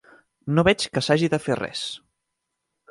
No veig que s'hagi de fer res.